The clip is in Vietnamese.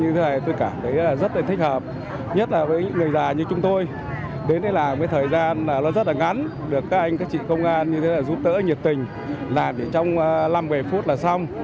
tôi cảm thấy rất là thích hợp nhất là với người già như chúng tôi đến đây là thời gian rất là ngắn được các anh các chị công an như thế này giúp tỡ nhiệt tình làm trong năm một mươi phút là xong